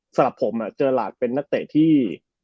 สำหรับผมเจอหลาดเป็นนักเตะที่